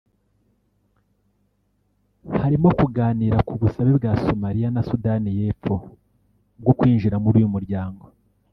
harimo kuganira ku busabe bwa Somalia na Sudani y’Epfo bwo kwinjira muri uyu muryango